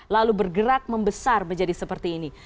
lalu bergerak membesar menjadi seperti ini